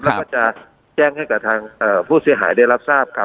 แล้วก็จะแจ้งให้กับทางผู้เสียหายได้รับทราบครับ